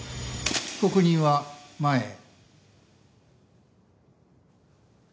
被告人は前へ。